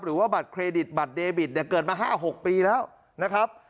หรือว่าบัตรเครดิตบัตรเดบิตเนี่ยเกิดมา๕๖ปีแล้วนะครับ